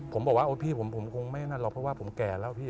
ผมบอกว่าโอ๊ยพี่ผมคงไม่นั่นหรอกเพราะว่าผมแก่แล้วพี่